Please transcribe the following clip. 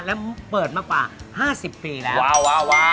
แล้วเปิดมากว่าห้าสิบปีแล้วว้าวว้าวว้าว